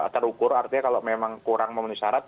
terukur artinya kalau memang kurang memenuhi syarat